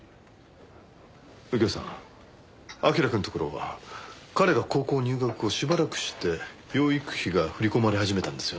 右京さん彬くんのところは彼が高校入学後しばらくして養育費が振り込まれ始めたんですよね？